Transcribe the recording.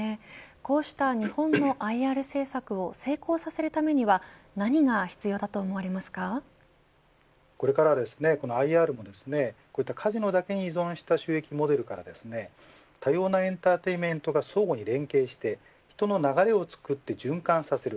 こうした日本のＩＲ政策を成功させるためにはこれから、ＩＲのカジノだけに依存した収益モデルから多様なエンターテインメントが相互に連携して人の流れを作って循環させる。